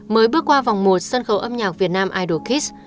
mới bước qua vòng một sân khấu âm nhạc việt nam idol kids